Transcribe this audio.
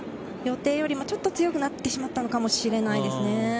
予定よりも強くなってしまったのかもしれないですね。